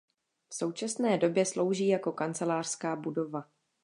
V současné době slouží jako kancelářská budova.